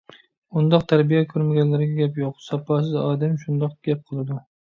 ئۇنداق تەربىيە كۆرمىگەنلەرگە گەپ يوق. ساپاسىز ئادەم شۇنداق گەپ قىلىدۇ.